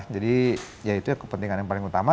jadi ya itu kepentingan yang paling utama